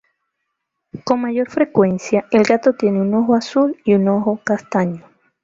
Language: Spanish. Con mayor frecuencia, el gato tiene un ojo azul y un ojo castaño.